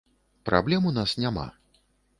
Праблем у нас няма.